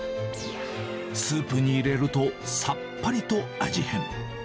スープに入れると、さっぱりと味変。